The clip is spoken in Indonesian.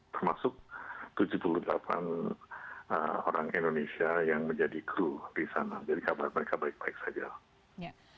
termasuk tujuh puluh delapan orang indonesia yang menjadi kru di sana jadi kabar mereka baik baik saja